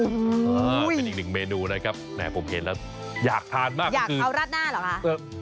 เป็นอีกหนึ่งเมนูนะครับแหมผมเห็นแล้วอยากทานมากอยากเอาราดหน้าเหรอคะ